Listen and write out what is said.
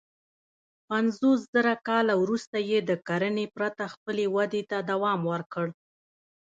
پنځوسزره کاله وروسته یې د کرنې پرته خپلې ودې ته دوام ورکړ.